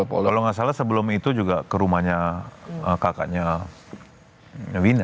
kalau nggak salah sebelum itu juga ke rumahnya kakaknya wina